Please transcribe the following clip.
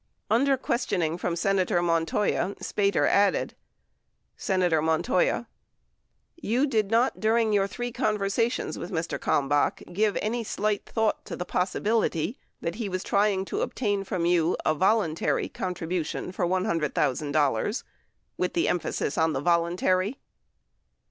17 Under questioning from Senator Montoya, Spater added : Senator Montoya. You did not, during your three conver sations with Mr. Kalmbach, give any slight thought to the possibility that he was trying to obtain from you a voluntary contribution for $100,000, with emphasis on the "voluntary?"